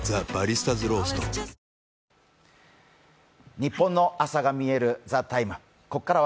「ニッポンの空がみえる！ＴＨＥＴＩＭＥ，」。